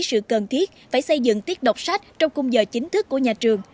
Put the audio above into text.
sự cần thiết phải xây dựng tiết đọc sách trong cung giờ chính thức của nhà trường